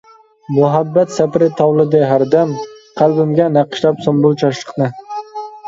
مۇھەببەت سەپىرى تاۋلىدى ھەردەم، قەلبىمگە نەقىشلەپ سۇمبۇل چاچلىقنى.